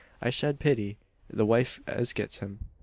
I shed pity the wife as gets him.